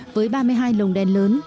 với ba mươi hai lồng đèn lớn